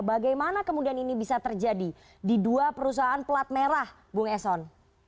bagaimana kemudian ini bisa terjadi di dua perusahaan pelat merah bung eson